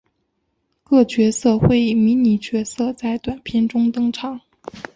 各角色会以迷你角色在短篇中登场。